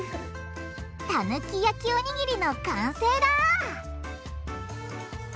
たぬき焼きおにぎりの完成だ！